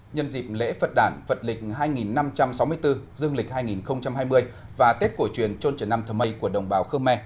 nhân dịp lễ phật đàn phật lịch hai năm trăm sáu mươi bốn dương lịch hai mươi và tết cổ truyền trôn trần nam thờ mây của đồng bào khơ me